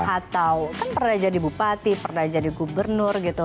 atau kan pernah jadi bupati pernah jadi gubernur gitu